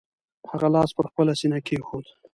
هغه لاس پر خپله سینه کېښود.